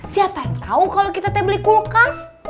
siapa yang tau kalo kita teh beli kulkas